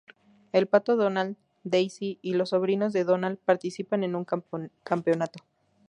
El Pato Donald, Daisy y los sobrinos de Donald participan en un campeonato.